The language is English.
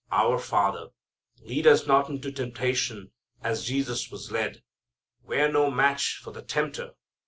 Our Father, lead us not into temptation as Jesus was led. We're no match for the tempter.